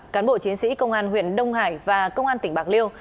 cán bộ chiến sĩ công an huyện đông hải và công an tỉnh bạc liêu